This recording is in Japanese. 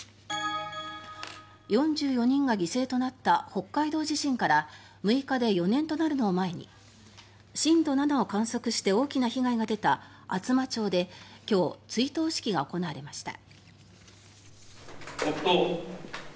４４人が犠牲となった北海道地震から６日で４年となるのを前に震度７を観測して大きな被害が出た厚真町で今日、追悼式が行われました。